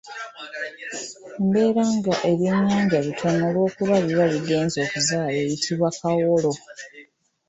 Embeera nga ebyennyanja bitono olwokuba biba bigenze okuzaala eyitibwa Kawolo.